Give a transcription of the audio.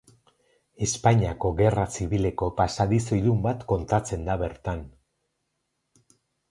Espainiako Gerra Zibileko pasadizo ilun bat kontatzen da bertan.